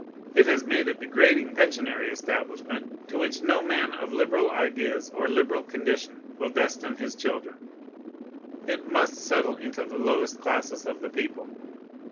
It has made a degrading pensionary establishment, to which no man of liberal ideas or liberal condition will destine his children. It must settle into the lowest classes of the people.